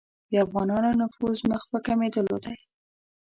د افغانانو نفوذ مخ په کمېدلو دی.